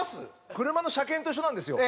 車の車検と一緒なんですよ。